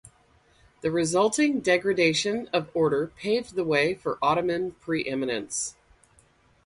The resulting degradation of order paved the way for Ottoman pre-eminence.